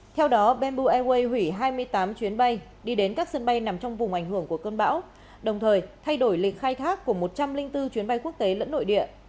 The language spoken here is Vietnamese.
theo đó bamboo airways hủy hai mươi tám chuyến bay đi đến các sân bay nằm trong vùng ảnh hưởng của cơn bão đồng thời thay đổi lịch khai thác của một trăm linh bốn chuyến bay quốc tế lẫn nội địa